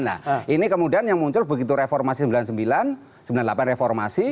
nah ini kemudian yang muncul begitu reformasi sembilan puluh sembilan sembilan puluh delapan reformasi